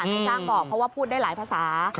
นายจ้างบอกเพราะว่าพูดได้หลายภาษา